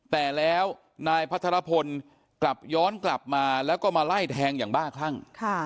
แต่แล้วนายพัทรพลกลับย้อนกลับมาแล้วก็มาไล่แทงอย่างบ้าคลั่ง